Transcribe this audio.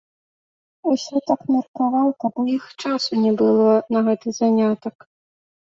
Усё так меркаваў, каб у іх часу не было на гэты занятак.